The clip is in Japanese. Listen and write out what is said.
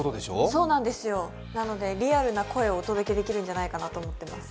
そうなんですよ、なのでリアルな声をお届けできるんじゃないかと思います。